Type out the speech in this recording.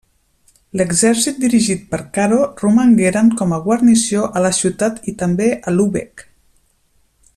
L'exèrcit dirigit per Caro romangueren com a guarnició a la ciutat i també a Lübeck.